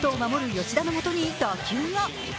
吉田のもとに打球が。